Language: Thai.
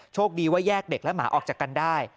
โชคดีว่าแยกเด็กและหมาออกจากกันได้